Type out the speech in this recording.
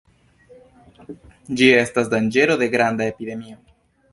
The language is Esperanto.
Ĝi estas danĝero de granda epidemio.